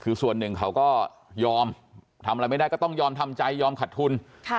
คือส่วนหนึ่งเขาก็ยอมทำอะไรไม่ได้ก็ต้องยอมทำใจยอมขัดทุน